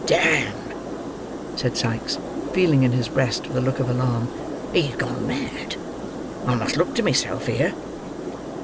"Damme!" said Sikes, feeling in his breast with a look of alarm. "He's gone mad. I must look to myself here."